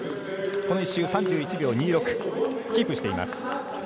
この１周３１秒２６キープしています。